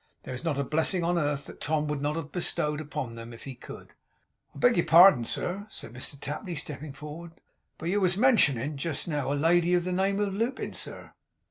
There is not a blessing on earth that Tom would not have bestowed upon them, if he could. 'I beg your pardon, sir,' said Mr Tapley, stepping forward, 'but yow was mentionin', just now, a lady of the name of Lupin, sir.